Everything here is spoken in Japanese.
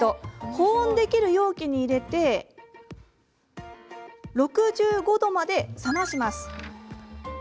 保温できる容器に入れて６５度まで冷まします。